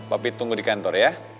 pak pit tunggu di kantor ya